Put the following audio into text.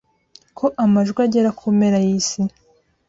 Ko amajwi agera ku mpera y'isi